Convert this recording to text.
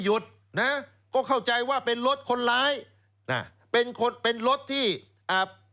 หยุดนะก็เข้าใจว่าเป็นรถคนร้ายน่ะเป็นคนเป็นรถที่อ่า